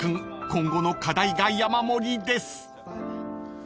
今後の課題が山盛りです］